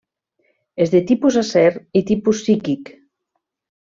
És de tipus acer i tipus psíquic.